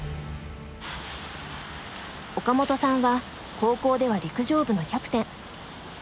岡本さんは高校では陸上部のキャプテン。